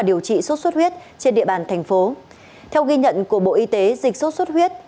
điều trị sốt xuất huyết trên địa bàn thành phố theo ghi nhận của bộ y tế dịch sốt xuất huyết